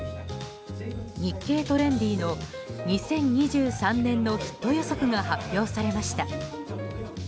「日経トレンディ」の２０２３年のヒット予測が発表されました。